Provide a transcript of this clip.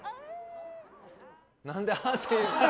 何であーって。